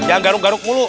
jangan garuk garuk mulu